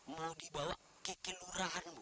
mau dibawa ke kelurahan bu